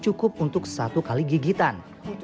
cukup untuk satu kali gigitan